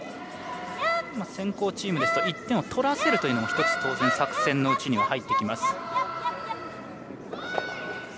先攻チームですと１点を取らせるというのも１つ、当然、作戦のうちには入ってきます。